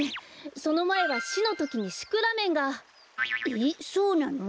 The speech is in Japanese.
そのまえはシのときにシクラメンが！えそうなの？